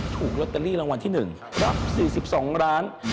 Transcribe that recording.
ถูกลอตเตอรี่รางวัลที่๑รับ๔๒ล้าน